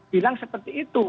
bilang seperti itu